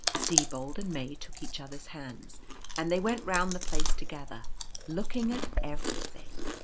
Sibold and May took each other's hands, and they went round the place together, looking at everything.